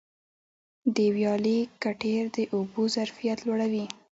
د ویالي کټېر د اوبو ظرفیت لوړوي.